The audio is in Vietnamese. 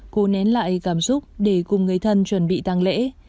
cô nén lại cảm xúc để cùng người thân chuẩn bị tăng lễ